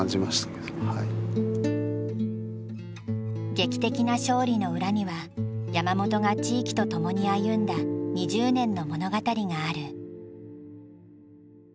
劇的な勝利の裏には山本が地域と共に歩んだ２０年の物語がある。